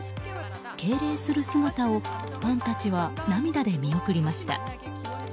敬礼する姿をファンたちは涙で見送りました。